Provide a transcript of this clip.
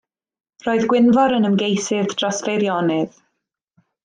Roedd Gwynfor yn ymgeisydd dros Feirionnydd.